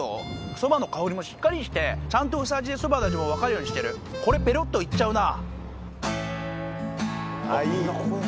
そばの香りもしっかりしてちゃんと薄味でそばの味も分かるようにしてるこれペロっといっちゃうな。